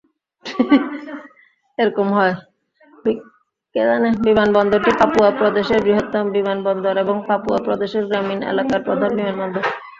বিমানবন্দরটি পাপুয়া প্রদেশের বৃহত্তম বিমানবন্দর এবং পাপুয়া প্রদেশের গ্রামীণ এলাকার প্রধান বিমানবন্দর।